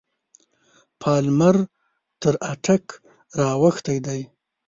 پالمر تر اټک را اوښتی دی.